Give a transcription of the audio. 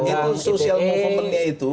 itu sosial movementnya itu